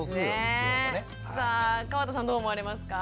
さあ川田さんどう思われますか？